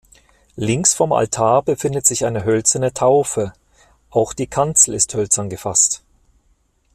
Links vom Altar befindet sich eine hölzerne Taufe, auch die Kanzel ist hölzern gefasst.